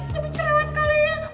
tapi cerai kan kalian